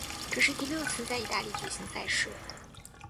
这是第六次在意大利举行赛事。